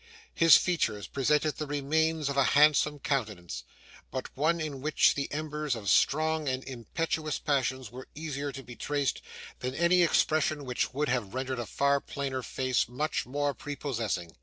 His features presented the remains of a handsome countenance, but one in which the embers of strong and impetuous passions were easier to be traced than any expression which would have rendered a far plainer face much more prepossessing.